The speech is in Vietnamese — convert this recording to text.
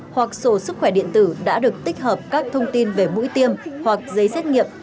hoặc sổ sức khỏe điện tử đã được tích hợp các thông tin về mũi tiêm hoặc giấy xét nghiệm